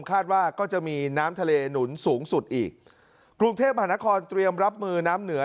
คาดว่าก็จะมีน้ำทะเลหนุนสูงสุดอีกกรุงเทพมหานครเตรียมรับมือน้ำเหนือ